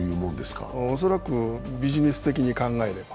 恐らくビジネス的に考えれば。